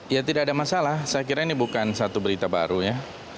ya tidak ada masalah saya kira ini bukan satu berita baru ya